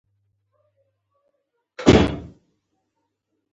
اوس دسوریې جنوب ولې اسرایلو ته له هرڅه مهم دي؟